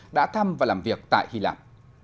đã thăm và làm việc tại hy lạp